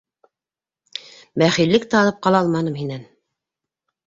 Бәхиллек тә алып ҡала алманым һинән...